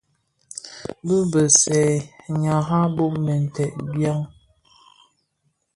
Bi bësè ñaran bum binted byan?